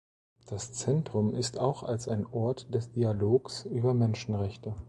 Das Zentrum ist auch als ein Ort des Dialogs über Menschenrechte.